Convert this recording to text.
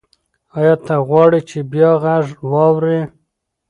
ایا ته غواړې چې بیا غږ واورې؟